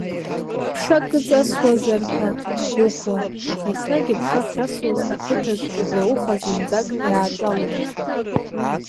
Ԥшак ыҵасуазар ҳәа дгәыӷуан, аха еснагь аԥша ахьсуаз ақыҭаҿ убри ауха зынӡак иааҿаломызт.